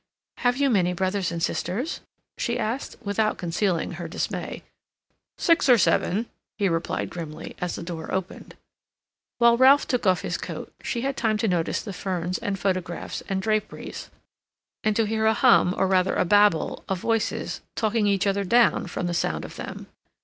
"Have you many brothers and sisters?" she asked, without concealing her dismay. "Six or seven," he replied grimly, as the door opened. While Ralph took off his coat, she had time to notice the ferns and photographs and draperies, and to hear a hum, or rather a babble, of voices talking each other down, from the sound of them.